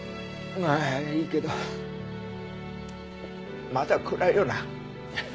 ああいいけどまだ暗いよな。